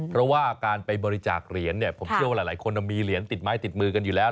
เพราะว่าการไปบริจาคเหรียญเนี่ยผมเชื่อว่าหลายคนมีเหรียญติดไม้ติดมือกันอยู่แล้ว